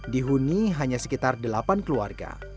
dihuni hanya sekitar delapan keluarga